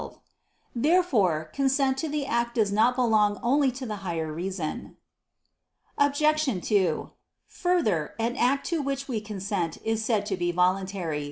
Therefore consent to the act does not belong only to the higher reason. Obj. 2: Further, an act to which we consent is said to be voluntary.